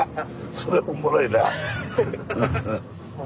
それおもろいなあ。